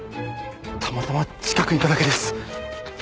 たまたま近くにいただけです。